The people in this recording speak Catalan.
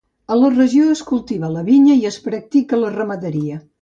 A la regió es cultiva la vinya i es practica la ramaderia.